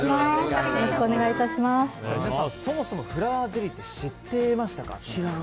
皆さん、そもそもフラワーゼリーって知っていましたか？